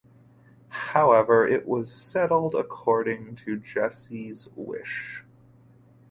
However, it was settled according to Jessie’s wish.